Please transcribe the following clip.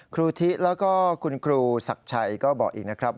ครูทิแล้วก็คุณครูศักดิ์ชัยก็บอกอีกนะครับ